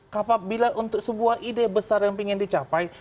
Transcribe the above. kapabila untuk sebuah ide besar yang ingin dicapai